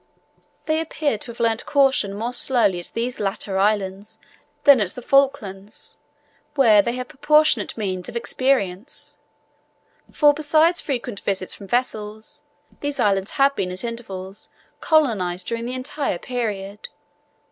They appear to have learnt caution more slowly at these latter islands than at the Falklands, where they have had proportionate means of experience; for besides frequent visits from vessels, those islands have been at intervals colonized during the entire period.